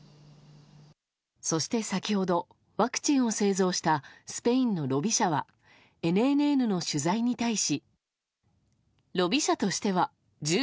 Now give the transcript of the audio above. そして先ほどワクチンを製造したスペインのロビ社はＮＮＮの取材に対し。